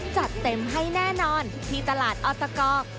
จัดเต็มให้แน่นอนที่ตลาดออตก